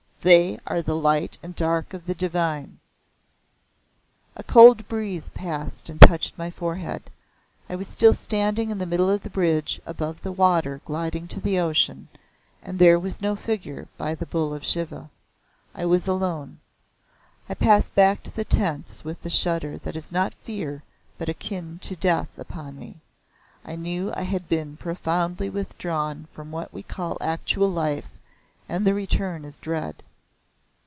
They are the Light and Dark of the Divine." A cold breeze passed and touched my forehead. I was still standing in the middle of the bridge above the water gliding to the Ocean, and there was no figure by the Bull of Shiva. I was alone. I passed back to the tents with the shudder that is not fear but akin to death upon me. I knew I had been profoundly withdrawn from what we call actual life, and the return is dread.